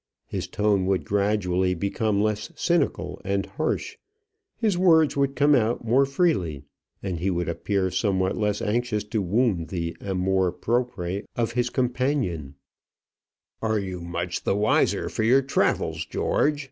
His tone would gradually become less cynical and harsh; his words would come out more freely; and he would appear somewhat less anxious to wound the amour propre of his companion. "Are you much wiser for your travels, George?"